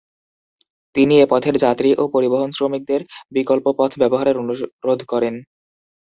তিনি এ পথের যাত্রী ও পরিবহনশ্রমিকদের বিকল্প পথ ব্যবহারের অনুরোধ করেন।